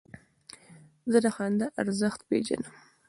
زه د خندا ارزښت پېژنم.